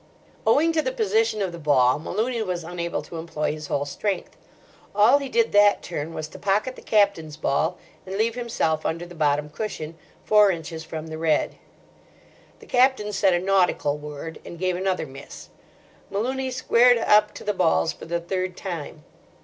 Owing to the position of the ball, Malooney was unable to employ his whole strength. All he did that turn was to pocket the Captain's ball and leave himself under the bottom cushion, four inches from the red. The Captain said a nautical word, and gave another miss. Malooney squared up to the balls for the third time.